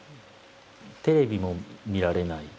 テレビも見られない。